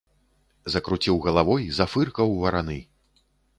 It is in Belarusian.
Закруціў галавой, зафыркаў вараны.